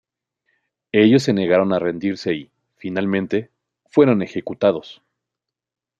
Ellos se negaron a rendirse y, finalmente, fueron ejecutados.